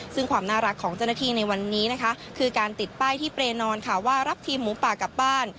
ซึ่งความน่ารักของเจ้าหน้าที่ในวันนี้นะคะคือการติดป้ายที่เปรย์นอนค่ะว่ารับทีมหมูป่ากลับบ้าน